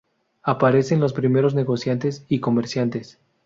Aparecen los primeros negociantes y comerciantes.